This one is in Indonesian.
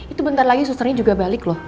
itu bentar lagi susternya juga balik loh